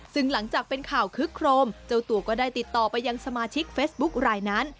ซึ่งหลังจากเป็นข่าวคึกโครมเจ้าตัวก็ได้ติดต่อไปยังสมาชิกเฟสบุ๊ครายนั้น